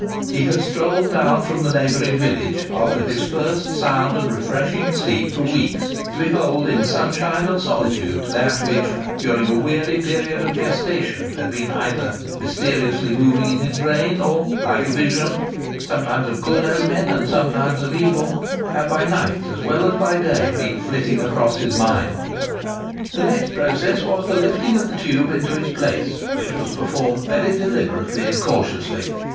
He had strolled down from the neighbouring village, after his first sound and refreshing sleep for weeks, to behold in sunshine and solitude, that which during a weary period of gestation had been either mysteriously moving in his brain, or, like a vision—sometimes of good omen, and sometimes of evil—had, by night as well as by day, been flitting across his mind. The next process was the lifting of the tube into its place, which was performed very deliberately and cautiously.